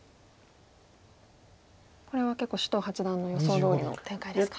これは結構首藤八段の予想どおりの展開ですか。